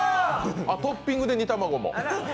トッピングで煮卵も。